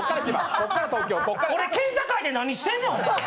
俺、県境で何してんねん。